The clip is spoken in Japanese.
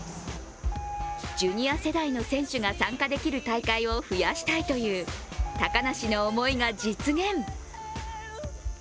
ジュニア世代の選手が参加できる大会を増やしたいという高梨の思いが実現。